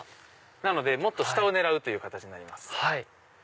なのでもっと下を狙うという形になります。